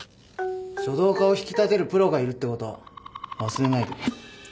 書道家を引き立てるプロがいるってこと忘れないでくれ。